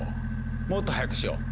もっと速くしよう！